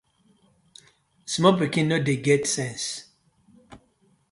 Small pikin no dey get sense.